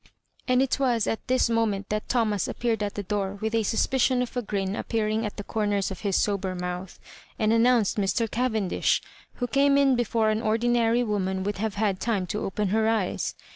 And it was at this moment that Thomas ap peared at the door with a suspicion of a grin appearing at the comers of his sober mouth, and announced Mr. Cavendish, who came in be fore an ordinary woman would have had time to open her eyes.